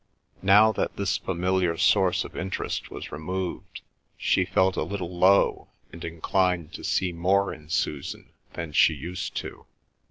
Now that this familiar source of interest was removed, she felt a little low and inclined to see more in Susan than she used to.